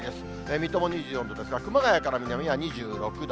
水戸も２４度ですが、熊谷から南は２６度。